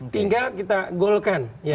tinggal kita golkan